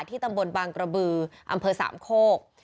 ตำบลบางกระบืออำเภอสามโคก